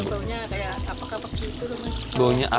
ya baunya kayak apak apak gitu loh mas